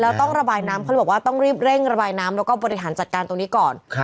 แล้วต้องระบายน้ำเขาเลยบอกว่าต้องรีบเร่งระบายน้ำแล้วก็บริหารจัดการตรงนี้ก่อน